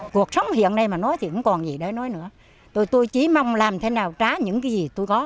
cuộc sống hiện nay mà nói thì không còn gì để nói nữa tôi chỉ mong làm thế nào trá những cái gì tôi có